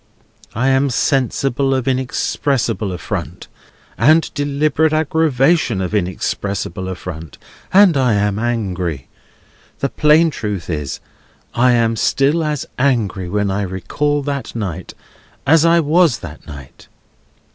I am sensible of inexpressible affront, and deliberate aggravation of inexpressible affront, and I am angry. The plain truth is, I am still as angry when I recall that night as I was that night."